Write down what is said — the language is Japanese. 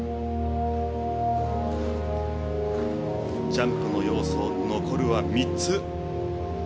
ジャンプの要素残るは３つ。